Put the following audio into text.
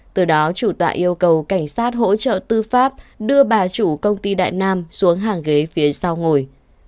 từ đó chủ tọa yêu cầu cảnh sát hỗ trợ tư pháp đưa bà chủ công ty đại nam xuống hàng ghế phía sau ngồi